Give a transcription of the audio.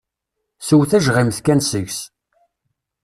Sew tajɣimt kan seg-s.